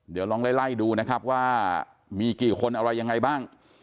เดี๋ยวลองไล่ดูนะครับว่ามีกี่คนอะไรยังไงบ้าง